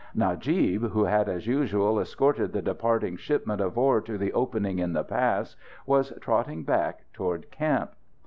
Najib, who had as usual escorted the departing shipment of ore to the opening in the pass, was trotting back toward camp.